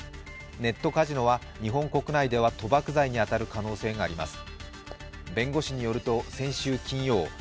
ネットカジノは日本国内では賭博罪に当たる可能性があります。